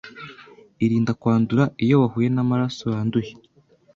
irinda kwandura iyo wahuye n’amaraso yanduye